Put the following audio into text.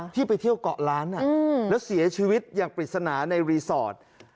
ที่ไปเที่ยวเกาะล้านแล้วเสียชีวิตอย่างปริศนาในรีสอร์ท